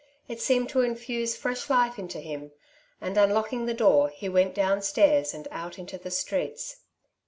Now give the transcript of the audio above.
It seemed to infuse fresh life into him, and, unlock ing the door, he went downstairs and out into the streets.